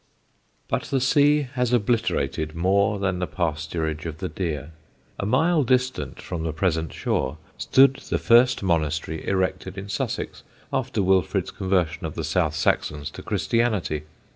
WILFRID] But the sea has obliterated more than the pasturage of the deer; a mile distant from the present shore stood the first monastery erected in Sussex after Wilfrid's conversion of the South Saxons to Christianity.